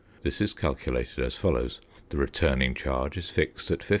This is calculated as follows: The returning charge is fixed at 55s.